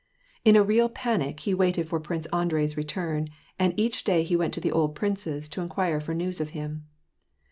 In a real panic he waited for Prince Andrei's return, and each day he went to the old prince's to inquire for news of him.